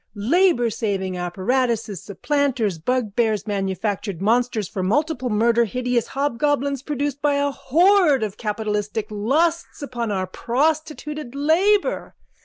Laboursaving apparatuses, supplanters, bugbears, manufactured monsters for mutual murder, hideous hobgoblins produced by a horde of capitalistic lusts upon our prostituted labour.